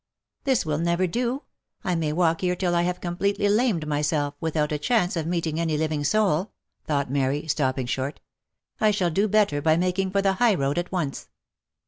" This will never do ! I may walk here till I have completely lamed myself, without a chance of meeting any living soul," thought Mary, stopping short ;" I shall do better by making for the high road at once."